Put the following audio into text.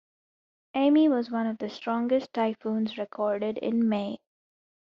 Amy was one of the strongest typhoons recorded in May.